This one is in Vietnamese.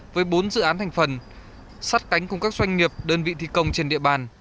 với bốn dự án thành phần sắt cánh cùng các doanh nghiệp đơn vị thi công trên địa bàn